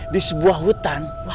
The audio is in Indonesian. di sebuah hutan